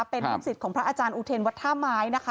เป็นลูกศิษย์ของพระอาจารย์อุเทนวัดท่าไม้นะคะ